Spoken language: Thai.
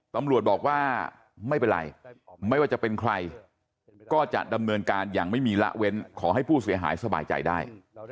ตำรวจบอกว่าไม่เป็นไรไม่ว่าจะเป็นใครก็จะดำเนินการอย่างไม่มีละเว้นขอให้ผู้เสียหายสบายใจได้